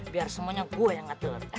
biar semuanya gue yang ngatur